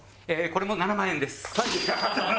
これも７万円です。